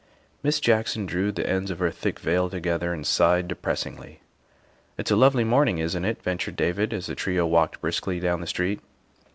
Miss Jackson drew the ends of her thick veil together and sighed depressingly. " It's a lovely morning, isn't it?" ventured David as the trio walked briskly down the street.